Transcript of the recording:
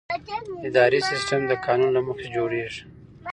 اداري سیستم د قانون له مخې جوړېږي.